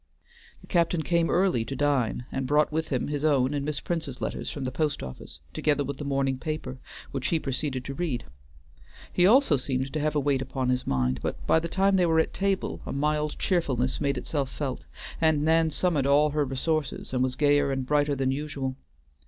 The captain came early to dine, and brought with him his own and Miss Prince's letters from the post office, together with the morning paper, which he proceeded to read. He also seemed to have a weight upon his mind, but by the time they were at table a mild cheerfulness made itself felt, and Nan summoned all her resources and was gayer and brighter than usual.